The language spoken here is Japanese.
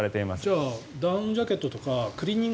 じゃあダウンジャケットとかクリーニング